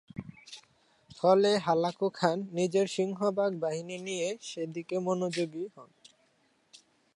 ফলে Hulagu Khan নিজের সিংহভাগ বাহিনী নিয়ে সেদিকে মনোযোগী হন।